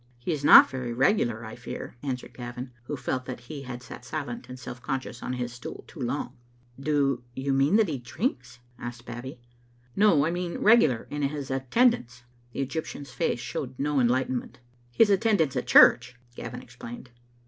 "He is not very regular, I fear," answered Gavin, who felt that he had sat silent and self conscious on his stool too long, " Do you mean that he drinks?" asked Babbie. " No, I mean regular in his attendance." The Egyptian's face showed no enlightenment. " His attendance at church," Gavin explained.